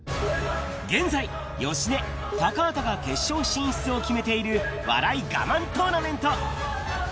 現在、芳根、高畑が決勝進出を決めている、笑いガマントーナメント。